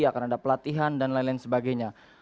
akan ada pelatihan dan lain lain sebagainya